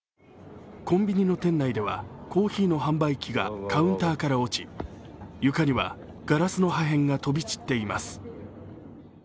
コンビニの店内ではコーヒーの販売機がカウンターから落ち床にはガラスの破片が飛び散っています。